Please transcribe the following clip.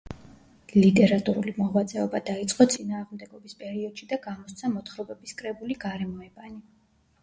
ლიტერატურული მოღვაწეობა დაიწყო „წინააღმდეგობის“ პერიოდში და გამოსცა მოთხრობების კრებული „გარემოებანი“.